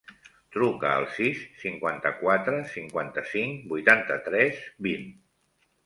Truca al sis, cinquanta-quatre, cinquanta-cinc, vuitanta-tres, vint.